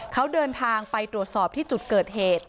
เขาเดินทางไปตรวจสอบที่จุดเกิดเหตุ